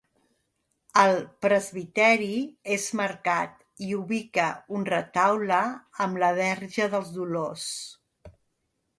El presbiteri és marcat i ubica un retaule amb la Verge dels Dolors.